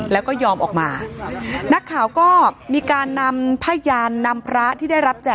แล้วก็ยอมออกมานักข่าวก็มีการนำพยานนำพระที่ได้รับแจ่